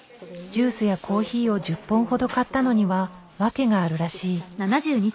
ジュースやコーヒーを１０本ほど買ったのには訳があるらしい。